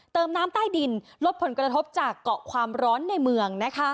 เติมน้ำใต้ดินลดผลกระทบจากเกาะความร้อนในเมือง